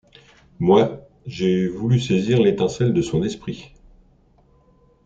Moi, j'ai voulu saisir l'étincelle de son esprit.